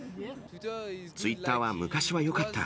ツイッターは昔はよかった。